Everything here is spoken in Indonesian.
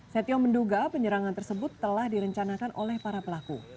setio menduga penyerangan tersebut telah direncanakan oleh para pelaku